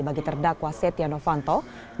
bagi terdakwa stiano fantom